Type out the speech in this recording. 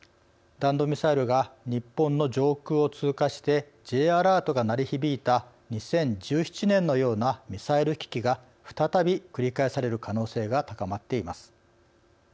弾道ミサイルが日本の上空を通過してＪアラートが鳴り響いた２０１７年のようなミサイル危機が再び繰り返される可能性が高まっています。